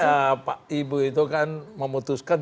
ya pak ibu itu kan memutuskan